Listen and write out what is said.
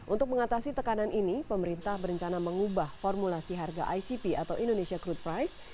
untuk mengatasi tekanan ini pemerintah berencana mengubah formulasi harga icp atau indonesia crude price